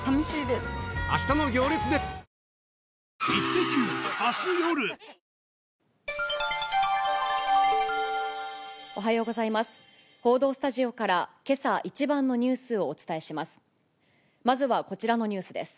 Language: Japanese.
報道スタジオからけさ一番のニュースをお伝えします。